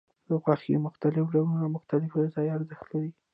د غوښې مختلف ډولونه مختلف غذایي ارزښت لري.